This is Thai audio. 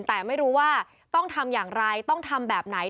แต่ไม่รู้ว่าต้องทำอย่างไรต้องทำแบบไหน